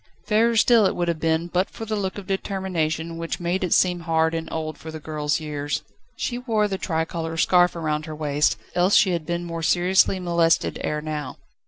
Fairer still it would have been, but for the look of determination which made it seem hard and old for the girl's years. She wore the tricolour scarf round her waist, else she had been more seriously molested ere now.